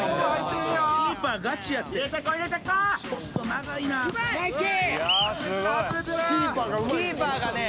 キーパーがね。